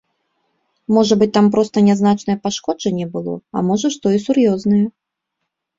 Можа быць там проста нязначнае пашкоджанне было, а можа што і сур'ёзнае.